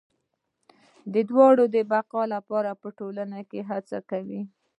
دواړه د بقا لپاره په ټولنو کې هڅه کوي.